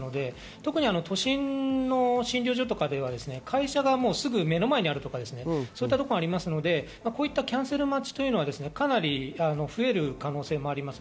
特に都心の診療所などでは会社がすぐ目の前にあるとか、そういうところがありますのでキャンセル待ちというのはかなり増える可能性もあります。